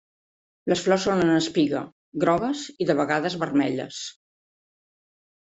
Les flors són en espiga, grogues i de vegades vermelles.